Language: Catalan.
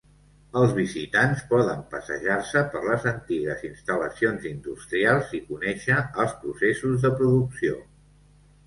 Els visitants poden passejar-se per les antigues instal·lacions industrials i conèixer els processos de producció.